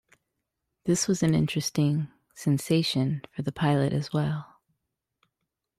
This was an interesting "sensation" for the pilot as well.